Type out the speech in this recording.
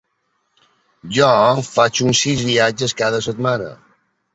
Jo faig uns sis viatges cada setmana.